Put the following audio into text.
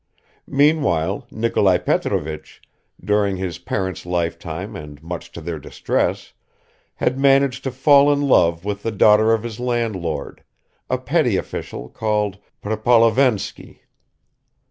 Meanwhile Nikolai Petrovich, during his parents' lifetime and much to their distress, had managed to fall in love with the daughter of his landlord, a petty official called Prepolovensky.